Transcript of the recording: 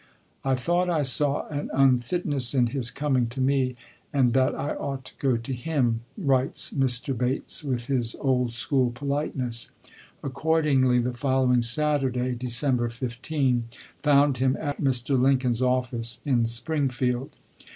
" I thought I saw an unfitness in his coming to me, and that I ought to go to him," Diary. sms. writes Mr. Bates with his old school politeness. Ac cordingly, the following Saturday (December 15) found him at Mr. Lincoln's office in Springfield.